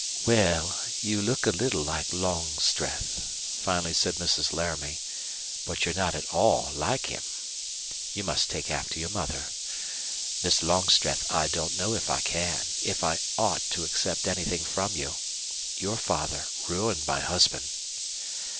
"Well, you look a little like Longstreth," finally said Mrs. Laramie, "but you're not at ALL like him. You must take after your mother. Miss Longstreth, I don't know if I can if I ought accept anything from you. Your father ruined my husband."